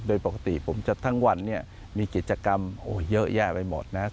โดยปกติผมจะทั้งวันเนี่ยมีกิจกรรมเยอะแยะไปหมดนะครับ